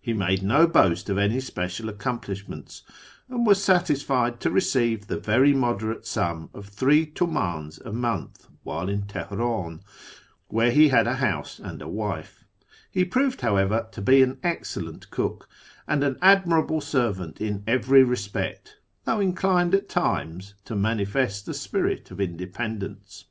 He made no boast of any special accomplishments, and was satisfied to receive the very moderate sum of three tumdns a month while in Teheran, where he had a house and a wife ; he proved, however, to be an excellent cook, and an admirable servant in every respect, though inclined at times to manifest a spirit of independence.